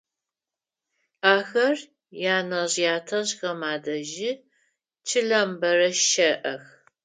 Ахэр янэжъ-ятэжъхэм адэжьи чылэм бэрэ щэӏэх.